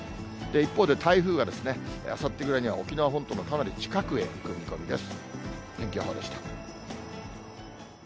一方で台風があさってぐらいには沖縄本島のかなり近くへ来る見込みです。